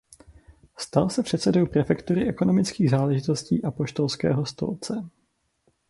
Stal se předsedou Prefektury ekonomických záležitostí Apoštolského stolce.